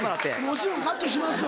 もちろんカットします。